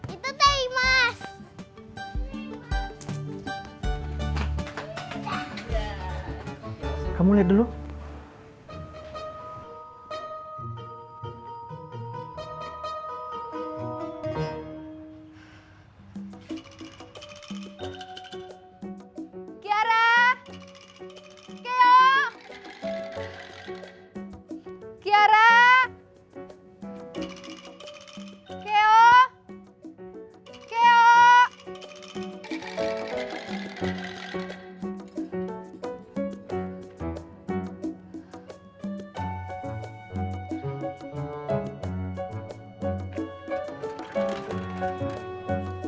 itu teh imas